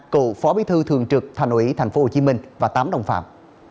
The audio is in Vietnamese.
cựu phó bí thư thường trực thành ủy tp hcm và tám đồng phạm